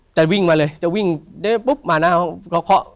จะวิ่งมาเลยจะวิ่งปุ๊บมาหน้าเขา